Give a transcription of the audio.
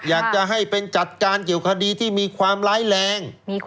อยากจะให้เป็นจัดการเกี่ยวคดีที่มีความร้ายแรง